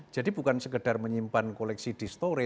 jadi bukan sekedar menyimpan koleksi di storit